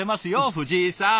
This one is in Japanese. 藤井さん。